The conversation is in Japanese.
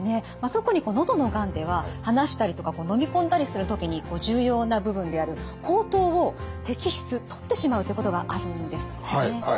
特に喉のがんでは話したりとか飲み込んだりする時に重要な部分である喉頭を摘出取ってしまうということがあるんですよね。